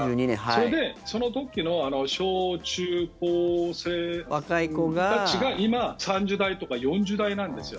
それで、その時の小中高生たちが今３０代とか４０代なんですよ。